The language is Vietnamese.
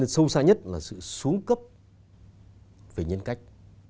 sâu xa nhất là sự xuống cấp về nhân cách